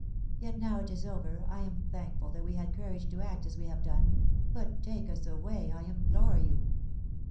Yet now it is over, I am thankful that we had courage to act as we have done ; but take us away, I implore you."